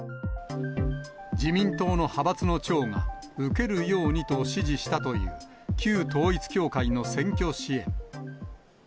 自民党の派閥の長が、受けるようにと指示したという、旧統一教会の選挙支援。